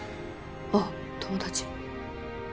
あっ友達。